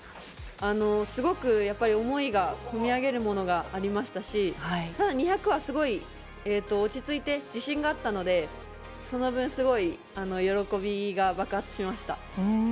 すごく思いがこみ上げるものがありましたし２００はすごい落ち着いて自信があったのでその分、すごい喜びが爆発しました。